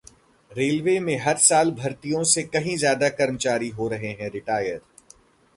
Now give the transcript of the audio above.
railway में हर साल भर्तियों से कहीं ज़्यादा कर्मचारी हो रहे हैं रिटायर